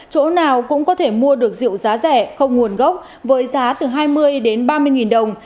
chỗ nào cũng có thể mua được rượu giá rẻ không nguồn gốc với giá từ hai mươi đến ba mươi nghìn đồng